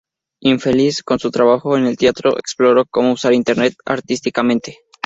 Infeliz con su trabajo en el teatro, exploró cómo usar internet artísticamente.